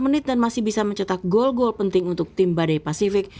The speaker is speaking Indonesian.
dua puluh menit dan masih bisa mencetak gol gol penting untuk tim badai pasifik